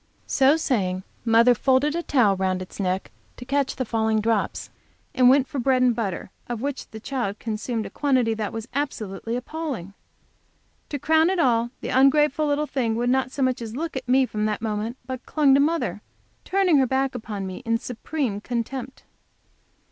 So saying, mother folded a towel round its neck, to catch the falling drops, and went for bread and butter, of which the child consumed a quantity that, was absolutely appalling. To crown all, the ungrateful little thing would not so much as look at me from that moment, but clung to mother, turning its back upon me in supreme contempt.